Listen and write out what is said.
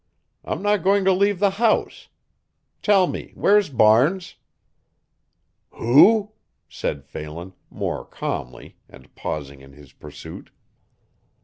I'm not going to leave the house. Tell me, where's Barnes?" "Who?" said Phelan, more calmly, and pausing in his pursuit.